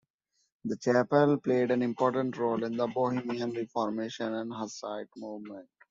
The chapel played an important role in the Bohemian Reformation and Hussite movement.